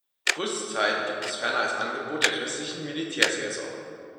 Rüstzeiten gibt es ferner als Angebot der christlichen Militärseelsorge.